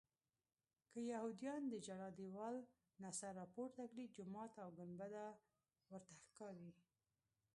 که یهودیان د ژړا دیوال نه سر راپورته کړي جومات او ګنبده ورته ښکاري.